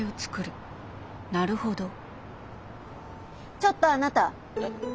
ちょっとあなた。